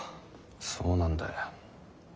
そうなんだ。